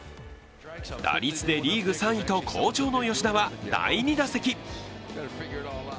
打率でリーグ３位と好調の吉田は第２打席。